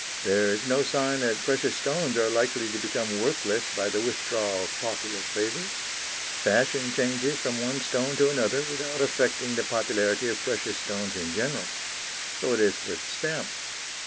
There is no sign that precious stones are likely to become worthless by the withdrawal of popular favour. Fashion changes from one stone to another without affecting the popularity of precious stones in general. So it is with stamps.